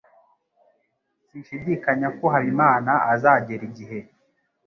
Sinshidikanya ko Habimana azagera igihe.